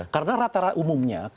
karena rata rata umumnya